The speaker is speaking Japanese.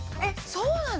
そうなの？